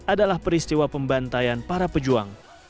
adalah peristiwa pembantaian para rakyat di bandar